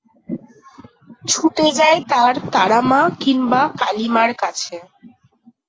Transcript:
ছুটে যায় তার তারা মা কিংবা কালী মার কাছে।